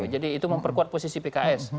jadi itu memperkuat posisi pks